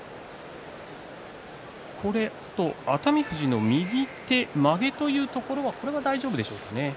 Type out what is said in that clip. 熱海富士の右手まげというところは大丈夫でしょうかね。